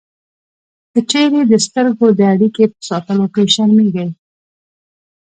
که چېرې د سترګو د اړیکې په ساتلو کې شرمېږئ